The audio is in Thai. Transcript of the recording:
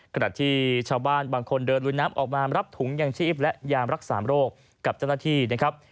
ขณะที่ชาวบ้านบางคนเดินลุยน้ำออกมารับถุงยังชีพและยามรักษาโรคกับเจ้าหน้าที่นะครับ